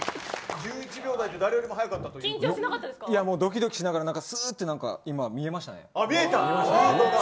１１秒台で誰よりも速かったということでどきどきしながらすーって見えましたね。